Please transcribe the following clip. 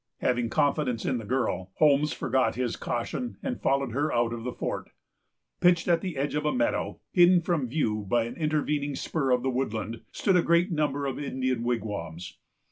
Having confidence in the girl, Holmes forgot his caution and followed her out of the fort. Pitched at the edge of a meadow, hidden from view by an intervening spur of the woodland, stood a great number of Indian wigwams.